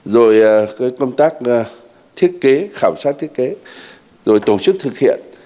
rồi công tác thiết kế khảo sát thiết kế rồi tổ chức thực hiện